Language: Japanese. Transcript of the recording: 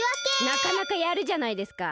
なかなかやるじゃないですか。